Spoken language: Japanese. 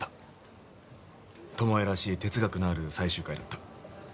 巴らしい哲学のある最終回だった。